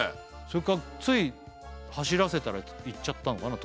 それかつい走らせたら行っちゃったのかな